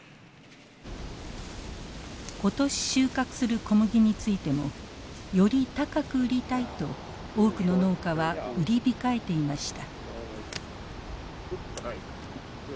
今年収穫する小麦についてもより高く売りたいと多くの農家は売り控えていました。